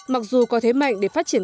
mặc dù có thế mạnh để phát triển